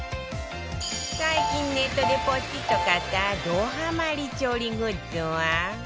最近ネットでポチッと買ったどハマり調理グッズは